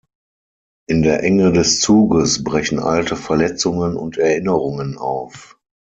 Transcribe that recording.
In der Enge des Zuges brechen alte Verletzungen und Erinnerungen auf.